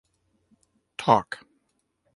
Talk.